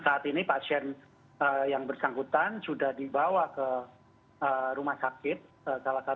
karena apapun yang datang dari luar negeri juga harus dicurigakan